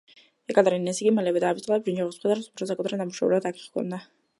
ეკატერინეს იგი მალევე დაავიწყდა და ბრინჯაოს მხედარს უფრო საკუთარ ნამუშევრად აღიქვამდა.